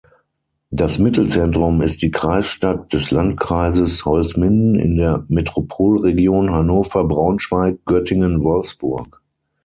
Das Mittelzentrum ist die Kreisstadt des Landkreises Holzminden in der Metropolregion Hannover-Braunschweig-Göttingen-Wolfsburg.